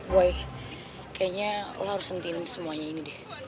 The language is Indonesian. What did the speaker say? boy kayaknya lo harus sentiin semuanya ini deh